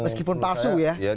meskipun palsu ya